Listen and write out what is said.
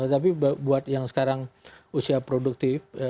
tapi buat yang sekarang usia produktif